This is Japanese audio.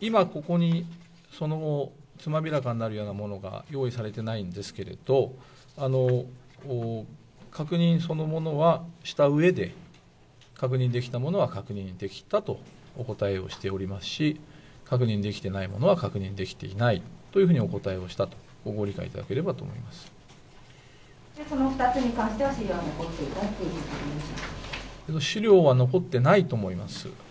今、ここに、つまびらかになるようなものが用意されてないんですけれど、確認そのものはしたうえで、確認できたものは確認できたとお答えをしておりますし、確認できてないものは確認できていないというふうにお答えをしたその２つに関しては、資料は資料は残ってないと思います。